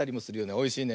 おいしいね。